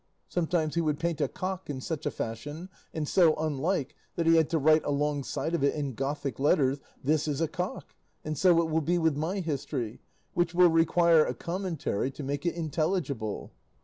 Sometimes he would paint a cock in such a fashion, and so unlike, that he had to write alongside of it in Gothic letters, 'This is a cock;' and so it will be with my history, which will require a commentary to make it intelligible."